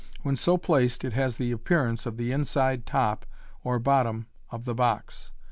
When so placed, it has the appearance of the inside top or bottom of the box.